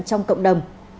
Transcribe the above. trong cộng đồng